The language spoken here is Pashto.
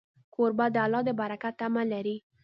کوربه د الله د برکت تمه لري.